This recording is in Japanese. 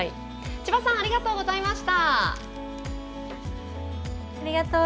千葉さんありがとうございました。